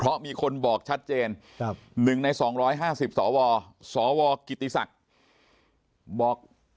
เพราะมีคนบอกชัดเจน๑ใน๒๕๐สวสวกิติศักดิ์บอก